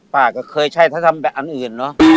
ป้าก็เคยใช่ถ้าทำแบบอันอื่นเนอะ